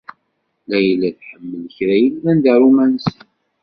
Layla tḥemmel kra yellan d arumansi.